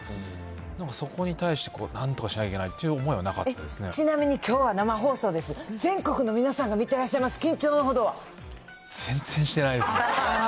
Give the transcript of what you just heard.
なんか、そこに対して、なんとかしなきゃいけないとかいう思いはちなみに、きょうは生放送です、全国の皆さんが見てらっしゃいます、緊張の全然してないです。